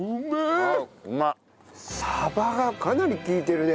サバがかなり利いてるね。